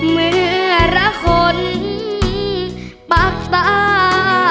เมื่อละคนปากตา